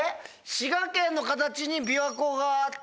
滋賀県の形に琵琶湖があった。